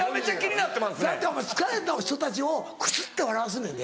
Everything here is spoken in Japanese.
だってお前疲れた人たちをクスって笑わすねんで。